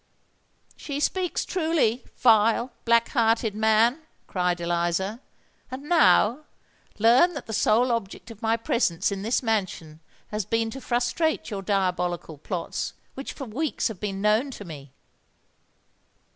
"She speaks truly,—vile—black hearted man!" cried Eliza. "And now, learn that the sole object of my presence in this mansion has been to frustrate your diabolical plots, which for weeks have been known to me!"